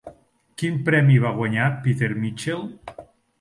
Quin premi va guanyar Peter Mitchell?